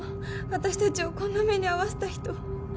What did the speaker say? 私たちをこんな目に遭わせた人。